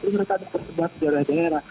mereka ada tersebar di daerah daerah